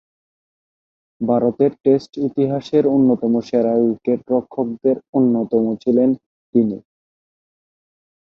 ভারতের টেস্ট ইতিহাসের অন্যতম সেরা উইকেট-রক্ষকদের অন্যতম ছিলেন তিনি।